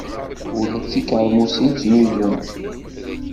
Ula d tikermusin ttnuzunt!